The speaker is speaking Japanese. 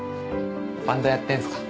バンドやってるんですか？